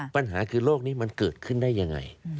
ปัญหาคือโรคนี้มันเกิดขึ้นได้ยังไง